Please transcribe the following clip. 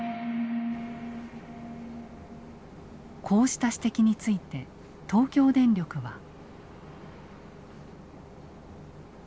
こうした指摘について東京電力は。